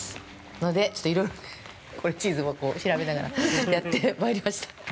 ので、ちょっといろいろ、これ地図も調べながらやってまいりました。